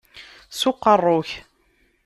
S uqeṛṛu-k!